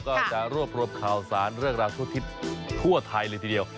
ก็จะรวบรวมข่าวสารเรื่องราวทั่วทิศทั่วไทยเลยทีเดียว